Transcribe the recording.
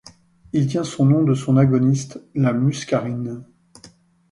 Il tient son nom de son agoniste, la muscarine.